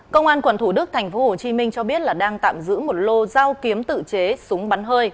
công an quận thủ đức tp hcm cho biết là đang tạm giữ một lô giao kiếm tự chế súng bắn hơi